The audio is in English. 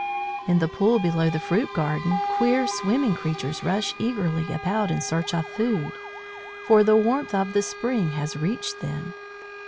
"In the pool below the fruit garden queer swimming creatures rush eagerly about in search of food, for the warmth of the spring has reached them.